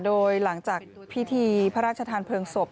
โดยหลังจากพิธีพระราชทานเพลิงศพ